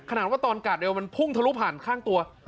ขนาดว่าตอนกาดเร็วมันพุ่งทะลุผ่านข้างตัว